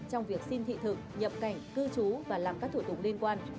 trong việc xin thị thực nhập cảnh cư trú và làm các thủ tục liên quan